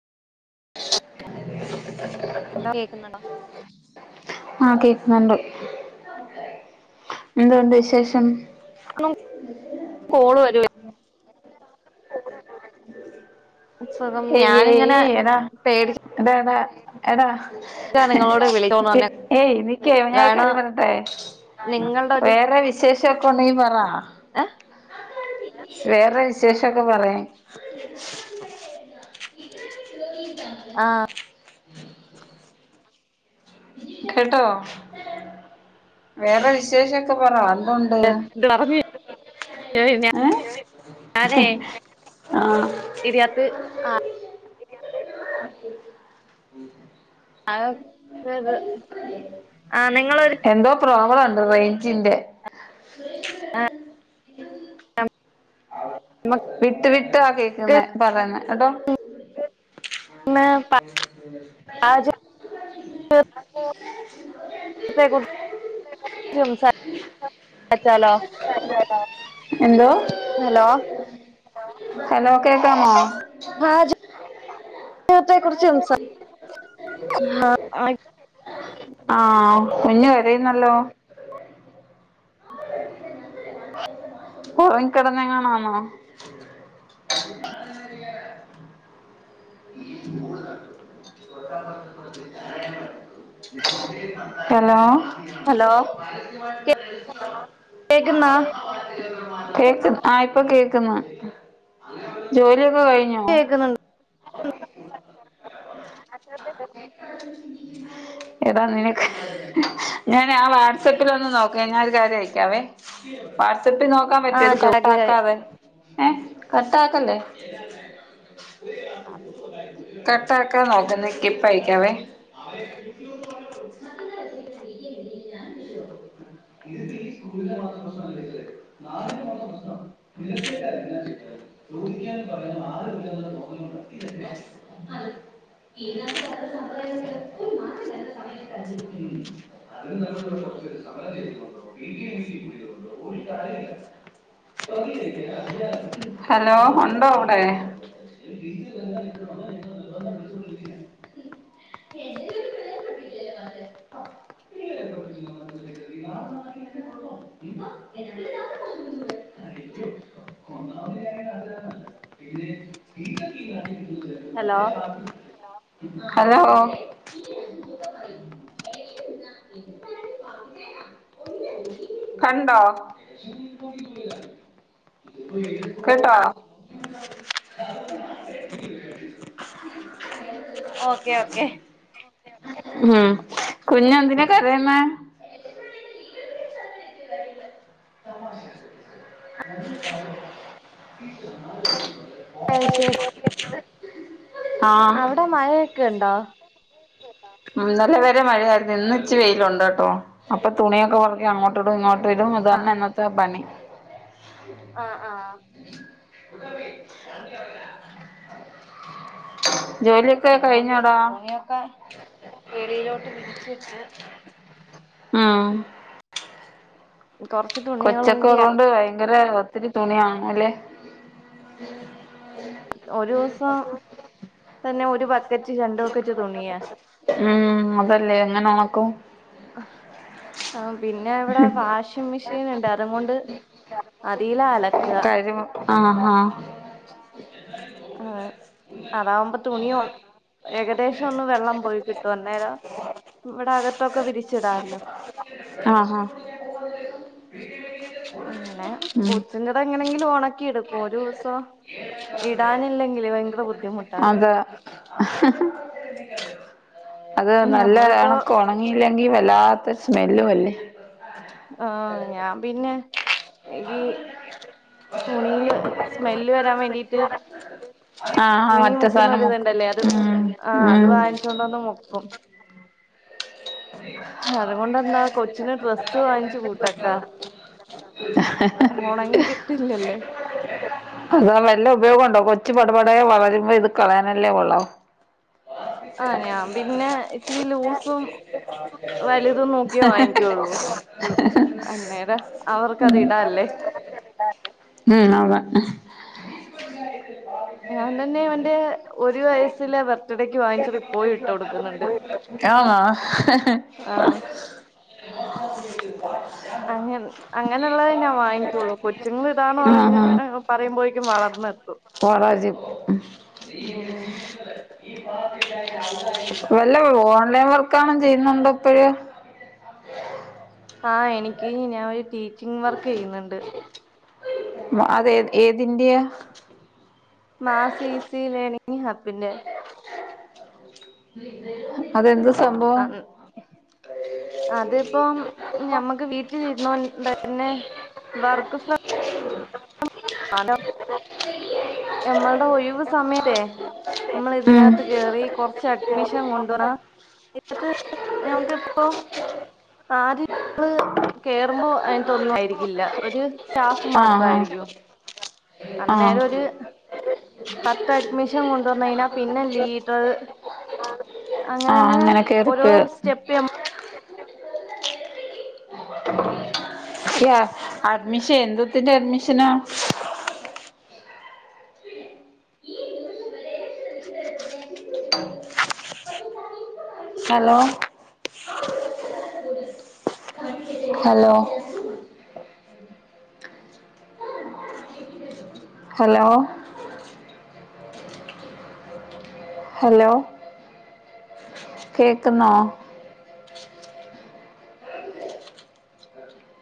[unintelligible] കേൾക്കുന്നണ്ടോ ആഹ് കേക്കുന്നുണ്ട് എന്തുണ്ട് വിശേഷം അ കോള് വരു സുഖം ഏയ് ഞാനിങ്ങനെ ഏയ് താ പേടിച്ചാ ടാ എടാ എടാ നിങ്ങളോട് വിളിച്ചോന്ന് പറഞ്ഞെ ഏയ് നിക്കേ ഞാനൊരു കാരണം കാര്യം പറഞ്ഞട്ടെ നിങ്ങളുടെ ഒരു വേറെ വിശേഷോക്കെണ്ടെങ്കി പറ ഏ വേറെ വിശേഷൊക്കെ പറിയാൻ [inaudible] ആ കേട്ടോ വേറെ വിശേഷൊക്കെ പറ എന്തുണ്ട് ഇത് പറഞ്ഞു ഏഹ് ഞാനേ ഹ്ഹ്ഹ് [unintelligible] [unintelligible] അത് ആ നിങ്ങളൊരു പ്രോബ്ലംണ്ട് റൈഞ്ചിന്റെ [unintelligible] വിട്ട് വിട്ടാ നമുക്ക് കേക്കുന്നേ പറയന്ന് കേട്ടോ ആ [unintelligible] അപ്പോ ത്തെ കുറിച്ച് അയച്ചി എന്തോ ഹലോ ഹലോ കേക്കാമോ [inaudible] പാചകത്തെ കുറിച്ച് സംസാ ആ കുഞ്ഞ് കരയുന്നല്ലോ ഉറങ്ങികിടന്നെങ്ങാനും ആണോ [inaudible] ഹലോ ഹലോ കേക്ക്ന്ന കേക്ക ആ ഇപ്പൊ കേക്കുന്ന് ജോലിയൊക്കെ കഴിഞൊ [unintelligible] [inaudible] ഏടാ നിനക്ക് ഞാൻ ആ വാട്സപ്പില് ഒന്ന് നോക്ക ഞാൻ ഒരു കാര്യം അയക്കാവേ വാട്സപ്പിൽ നോക്കാൻ ആ പറ്റൊ ഇത് ജോലി കട്ടക്കാതെ ഏ കട്ടാക്കല്ലേ കട്ടക്കാതനോക്ക് നിക്ക് ഇപ്പയക്കവേ ഇ മാത്ര [unintelligible] [unintelligible] നി [inaudible] [inaudible] ഉ [inaudible] [inaudible] [inaudible] ഹലോ ഉണ്ടോ വടെ [inaudible] [inaudible] [inaudible] [inaudible] ഹലോ [inaudible] ഹലോ കണ്ടോ കേട്ടാ [inaudible] ഓക്കേ ഓക്കെ ഉം കുഞ്ഞെന്തിന കരയ്ന്നെ. അയ്ശരി ആഹ് അവിടെ മഴയൊക്കെയ്ണ്ടോ. ഇന്നല്ലവരെ മഴയായിരുന്നു ഇന്ന്ച്ചി വെയിലുണ്ട്‌ട്ടോ അപ്പൊ തുണിയൊക്കെ. അങ്ങോട്ട ഇടും ഇങ്ങോട്ട് വരും ഇതെനെ ആഹ് ഇന്നത്തെ പണി. ആഹ് ആഹ. ജോലി. അതുകൊണ്ട് തുണിയൊക്കെ വെളിയിലോട്ട് വിരിച്ചിട്ട്. ഇം കൊറച്ച് തുണികളും കൊച്ചക്കെ കൂടി ഉള്ളൊണ്ട് ഭയങ്കര ഒത്തിരി തുണിയാവുല്ലേ. ഒരൂസം തന്നെ ഒരു ബക്കറ്റ് രണ്ട് ബക്കറ്റ് തുണിയാ. ഉം അതല്ലേ എങ്ങനെ ഒണക്കും. ആ പിന്നെ ഇവിടെ വാഷ് ഷിങ് മിഷീനിണ്ട് അത്കൊണ്ട് അതീലാ അലക്കാ കഴിവ് ആഹ് ആഹ് അതെ അതാവുമ്പോ തുണി ഒ ഏകദേശൊന്ന് വെള്ളം പോയി കിട്ടും അന്നേരം ഇവിടെ അക ആ ഹാ അങ്ങനെ കൊച്ചിന്റെതെങ്ങനെങ്കിലും ഒണക്കിയെടുക്കും ഒരൂസം ഇടാനില്ലെങ്കിലെ ഭയങ്കര ബുദ്ധിമുട്ടാ അതെ അത് ഞമ്മളിപ്പോ നല്ലെയാണ് ഒണങ്ങീല്ലെങ്കിൽ വല്ലാത്ത സ്മെല്ലും അല്ലേ. ആഹ് ഞാൻ പിന്നെ ഈ തുണീല് സ്മെല്ല് വരാൻ വേണ്ടീട്ട്. ആഹ് തുണി മറ്റേ സാധനം മുക്കും മുക്കുന്നരിത്ണ്ടല്ലേ അത് ഉം ആ അത് വാങ്ങിച്ചോണ്ടെന്ന് മുക്കും. [inaudible] അതുകൊണ്ടെന്താ കൊച്ചിന് ഡ്രസ്സ് വാങ്ങിച്ചു കൂട്ടക്കാ ഹഹഹഹ. ഒണങ്ങി കിട്ടില്ലല്ലേ അതാ വല്ല ഉപയോഗണ്ടോ കൊച്ച് പടപടേ വളരുമ്പോ ഇത് കളയാനല്ലേ കൊള്ളാവൂ ആ ഞാൻ പിന്നെ ഇച്ചിരി ലൂസും. വലുതും നോക്കിയേ വാങ്ങിക്കൊള്ളൂ അന്നേര അവർക്കതിടാല്ലേ. ഉം അതെ. ഞാൻ തന്നെ ഇവന്റെ ഒരു വയസ്സിലെ ബർത്ത്ഡേക്ക് വാങ്ങിച്ചതിപ്പോയും ഇട്ട് കൊടുക്കുന്നുണ്ട്. ആഹ് അങ്ങ അങ്ങനെയുള്ളതേ ഞാൻ വാങ്ങിക്കൊള്ളൂ കൊച്ചുങ്ങൾ ഇതാന്ന് പറഞ്ഞ് പറയുമ്പോഴേക്കും വളർന്നെത്തും. കോറാജിം. ഉം വല്ല ഓൺലൈൻ വർക്കാണെ ചെയ്യുന്നുണ്ടൊ ഇപ്പഴ്. ആഹ് എനിക്ക് ഞാനൊര് ടീച്ചിങ് വർക്ക് ചെയ്യ്ന്ന്ണ്ട്. അത് ഏത് ഏതിന്റ്യാ. മാസ് ഈസി ലേണിങ് ഹബിന്റെ. അതെന്ത് സംഭവം. അതിപ്പം ഞമ്മക്ക് വീട്ടിലിരുന്നോണ്ടെന്നെ വർക്ക് ഫ്രം ആലം ഞമ്മൾടെ ഒഴിവ് സമയതെ. നമ്മൾ ഇതിനകത്ത് കേറി കൊറച്ച് അഡ്മിഷൻ കൊണ്ടുവ എന്നിട്ട് ഞമ്മക്കിപ്പോ ആദ്യം ഞമ്മള് കേറുമ്പോ അങ്ങൻതൊന്നും ആയിരിക്കില്ല ഒരു സ്റ്റാഫ് ആഹ് ആഹ് മാത്രായിരിക്കും. ആഹ് അന്നേരം ഒര് പത്ത് അഡ്മിഷൻ കൊ ണ്ട് വന്ന് കഴിഞ്ഞാ പിന്നെ ലീഡർ ആഹ് അങ്ങനങ്ങനെ അങ്ങനെ ഓരോ കേറിപ്പോ സ്റ്റെപ്പ് ന യാ അഡ്മിഷൻ എന്തോത്തിന്റെ അഡ്മിഷനാ [unintelligible] [unintelligible] ഹലോ ഹലോ ഹലോ ഹലോ കേക്ക്ന്നോ